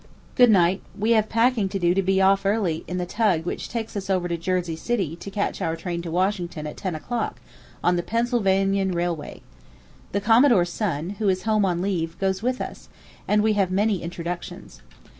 Good night, we have packing to do to be off early in the tug which takes us over to Jersey city to catch our train to Washington at 10 o'clock on the Pennsylvanian Railway. The Commodore's son, who is home on leave, goes with us, and we have many introductions.